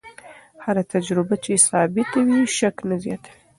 هره تجربه چې ثابته وي، شک نه زیاتوي.